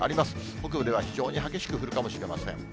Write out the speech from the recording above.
北部では非常に激しく降るかもしれません。